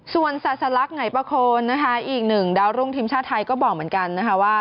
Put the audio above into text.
ส่วนสาธารักษ์ไหนป่ะคนอีกหนึ่งดาวรุ่งทีมชาติไทยก็บอกเหมือนกันว่า